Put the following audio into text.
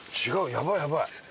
やばいやばい！